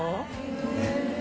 えっ